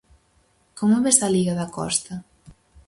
Como ves a liga da Costa?